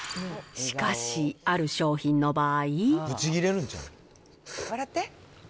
しかし、ある商品の場合。